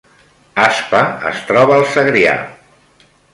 Aspa es troba al Segrià